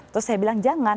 terus saya bilang jangan